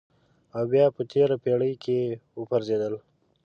او بیا په تېره پېړۍ کې وپرځېدل.